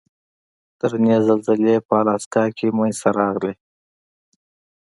درنې زلزلې په الاسکا کې منځته راغلې.